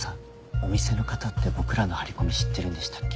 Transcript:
お店の方って僕らの張り込み知ってるんでしたっけ？